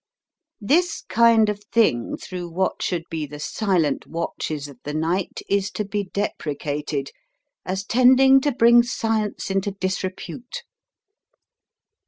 This kind of thing through what should be the silent watches of the night is to be deprecated, as tending to bring science into disrepute.